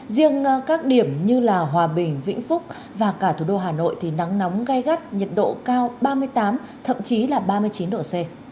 riêng các điểm như hòa bình vĩnh phúc và cả thủ đô hà nội thì nắng nóng gai gắt nhiệt độ cao ba mươi tám thậm chí là ba mươi chín độ c